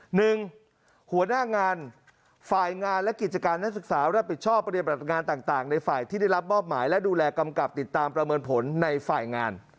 หัวหน้างานฝ่ายงานและกิจการนักศึกษารับผิดชอบปฏิบัติงานต่างในฝ่ายที่ได้รับมอบหมายและดูแลกำกับติดตามประเมินผลในฝ่ายงาน